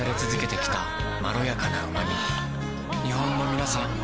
日本のみなさん